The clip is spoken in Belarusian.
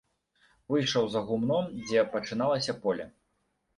Выйшаў за гумно, дзе пачыналася поле.